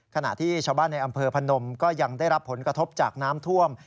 ขณะที่ชาวบ้านในอำเภอพนมก็ยังได้รับผลกระทบจากน้ำท่วม